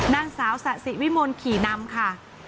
นางสาวสะสิวิมลขี่นำค่ะ